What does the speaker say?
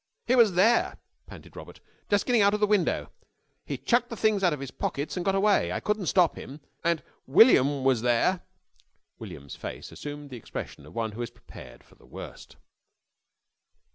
"He was there," panted Robert, "just getting out of the window. He chucked the things out of his pockets and got away. I couldn't stop him. And and William was there " William's face assumed the expression of one who is prepared for the worst.